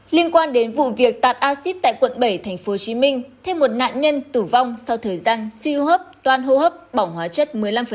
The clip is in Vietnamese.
liên quan đến vụ việc tạt acid tại quận bảy tp hcm thêm một nạn nhân tử vong sau thời gian suy hô hấp toan hô hấp bỏng hóa chất một mươi năm